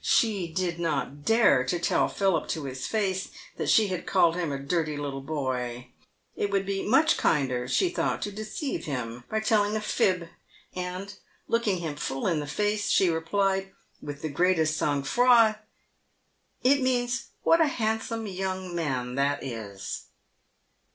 She did not dare to tell Philip to his face that she had called him a dirty little boy ; it would be much kinder, she thought, to deceive him by telling a fib, and, looking him full in the face, she replied, with the greatest sang froid, " It means, * "What a handsome young man that is.'